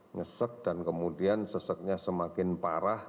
ngesek dan kemudian seseknya semakin parah